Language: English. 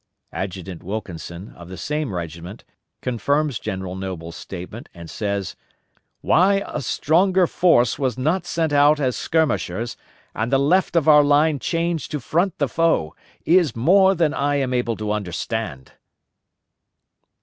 Adjutant Wilkenson, of the same regiment, confirms General Noble's statement and says, "Why a stronger force was not sent out as skirmishers and the left of our line changed to front the foe is more than I am able to understand."